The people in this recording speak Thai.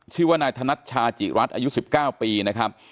ชื่อว่านายธนัชชาจิรัฐอายุ๑๙ปีนะครับ